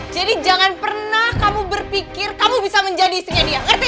jangan pernah kamu berpikir kamu bisa menjadi istrinya dia ngerti